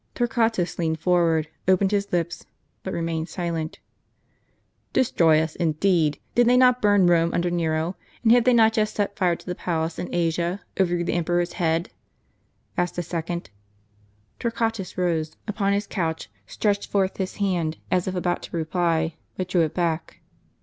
Torquatus leaned forward, opened his lips, but remained silent. "Destroy us, indeed! Did they not burn Rome, under Nero; and have they not just set fire to the palace in Asia, over the emperor's head?" asked a second. Torquatus rose upon his couch, stretched forth his hand, as if about to reply, but drew it back.